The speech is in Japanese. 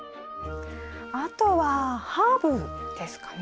あとはハーブですかね。